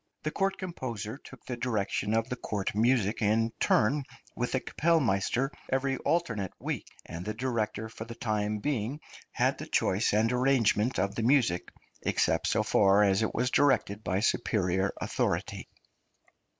The court composer took the direction of the court music in turn with the kapellmeister every alternate week, and the director for the time being had the choice and {INSTRUMENTAL MUSIC.} (290) arrangement of the music except so far as it was dictated by superior authority.